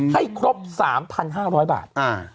ให้ครบ๓๕๐๐บาท